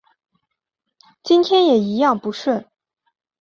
今天也一样不顺